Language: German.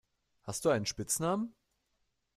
Hast du einen Spitznamen?